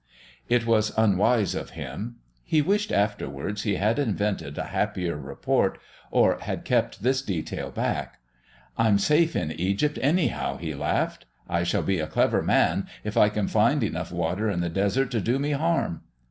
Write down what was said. It was unwise of him. He wished afterwards he had invented a happier report, or had kept this detail back. "I'm safe in Egypt, anyhow," he laughed. "I shall be a clever man if I can find enough water in the desert to do me harm!"